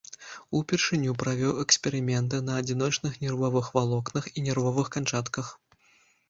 Упершыню правёў эксперыменты на адзіночных нервовых валокнах і нервовых канчатках.